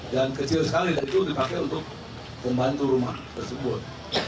dan kecil sekali dan itu dipakai untuk membantu rumah tersebut